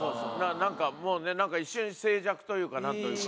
なんかもうね一瞬静寂というか何というか。